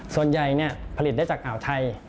ส่วนใหญ่ผลิตได้จากอ่าวไทย